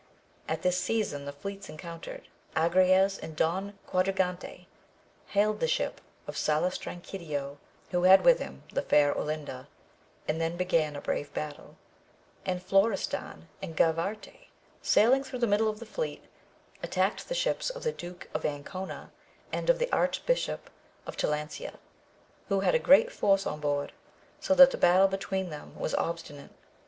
At this season the fleets encountered. Agrayes and Don Quadragante hailed the ship of Salustanquidio, who had with him the fair Olinda, and then began a brave battle ; and Florestan and Gavarte sailing through the middle of the fleet, attacked the ships of the Duke of Ancona, and of the Archbishop of Talancia who had a great force on board, so that the battle between them was obstinate.